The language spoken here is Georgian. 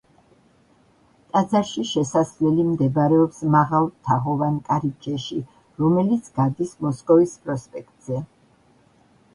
ტაძარში შესასვლელი მდებარეობს მაღალ თაღოვან კარიბჭეში, რომელიც გადის მოსკოვის პროსპექტზე.